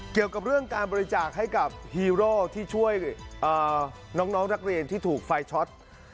เกี่ยวกับเรื่องการบริจาคให้กับฮีโร่ที่ช่วยน้องนักเรียนที่ถูกไฟช็อต